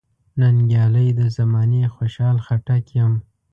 ننګیالی د زمانې خوشحال خټک یم .